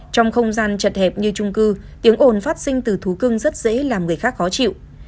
trong không gian chật hẹp như trung cư tiếng ồn phát sinh từ thú cưng rất dễ làm người khác khó chịu